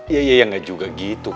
iya iya gak juga gitu